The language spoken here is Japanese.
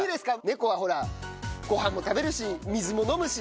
猫はほらご飯も食べるし水も飲むし。